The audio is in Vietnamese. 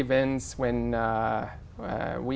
và nghĩ rằng